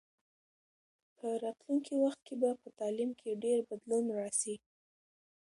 په راتلونکي وخت کې به په تعلیم کې ډېر بدلون راسي.